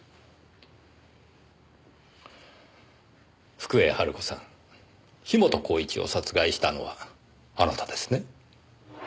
福栄晴子さん樋本晃一を殺害したのはあなたですね？